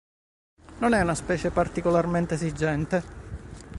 Non è una specie particolarmente esigente.